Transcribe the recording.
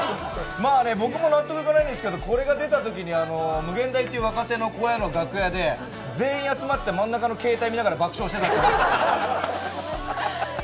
僕も納得いかないんですけど、これが出たときに若手の楽屋で全員集まって真ん中の携帯見ながら爆笑していた。